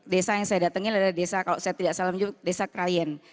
desa yang saya datangin adalah desa kalau saya tidak salah menyebut desa krayan